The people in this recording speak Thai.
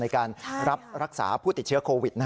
ในการรับรักษาผู้ติดเชื้อโควิด